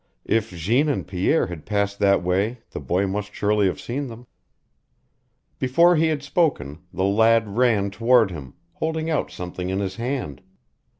If Jeanne and Pierre had passed that way the boy must surely have seen them. Before he had spoken the lad ran toward him, holding out something in his hand.